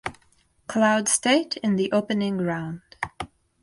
Cloud State in the opening round.